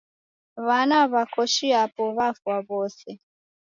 W'ana w'a koshi yapo w'afwa w'ose